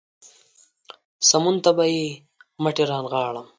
سمون ته به يې مټې رانغاړم.